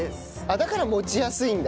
だから持ちやすいんだ